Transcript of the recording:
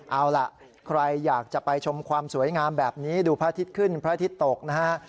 เอาล่ะใครอยากจะไปชมความสวยงามแบบนี้ดูพระอาทิตย์ขึ้นพระอาทิตย์ตกนะฮะ